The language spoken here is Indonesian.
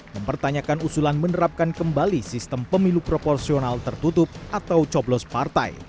mempertanyakan usulan menerapkan kembali sistem pemilu proporsional tertutup atau coblos partai